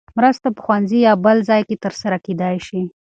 مرسته په ښوونځي یا بل ځای کې ترسره کېدای شي.